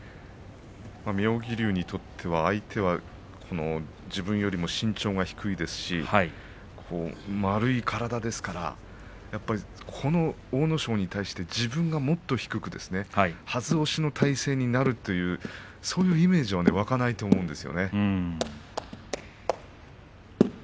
妙義龍にとっては自分より身長が低いですから丸い体ですのでこの阿武咲に対して自分がもっと低くはず押しの体勢になるというそういうイメージは湧かないと思います。